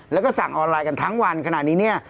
แล้วก็สั่งออนไลน์กันทั้งวันขนาดนี้เนี่ย